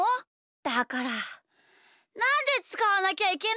だからなんでつかわなきゃいけないんだよ！